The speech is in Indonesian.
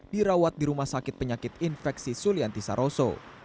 dirawat di rumah sakit penyakit infeksi sulianti saroso